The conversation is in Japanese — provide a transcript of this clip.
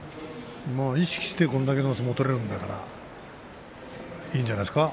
意識して、これだけの相撲が取れるんだからいいんじゃないですか。